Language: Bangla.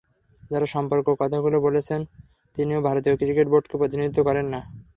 যাঁর সম্পর্কে কথাগুলো বলেছেন, তিনিও ভারতীয় ক্রিকেট বোর্ডকে প্রতিনিধিত্ব করেন না।